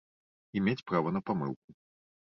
І мець права на памылку.